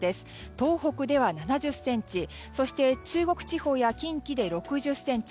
東北では７０ｃｍ中国地方や近畿で６０ｃｍ